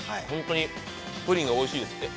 本当にプリンがおいしいです。